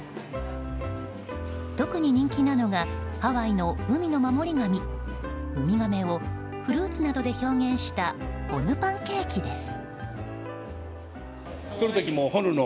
特に人気なのがハワイの海の守り神ウミガメをフルーツなどで表現したホヌパンケーキです。